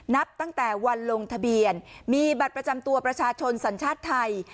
นับตั้งแต่วันลงทะเบียนมีบัตรประจำตัวประชาชนสัญชาติไทย